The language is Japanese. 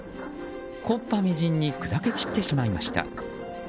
木っ端みじんに砕け散ってしまいました。